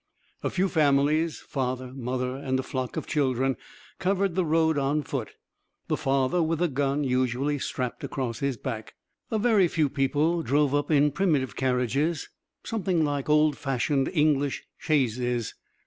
A few families, father, mother and a flock of children, covered the road on foot, the father with a gun usually strapped across his back. A very few people drove up in primitive carriages, something like old fashioned English chaises.